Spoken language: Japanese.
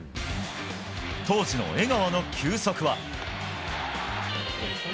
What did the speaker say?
当時の江川の球速は。